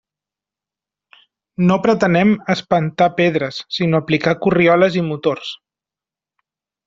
No pretenem espentar pedres, sinó aplicar corrioles i motors.